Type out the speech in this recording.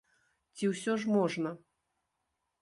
Ці ўсё ж можна?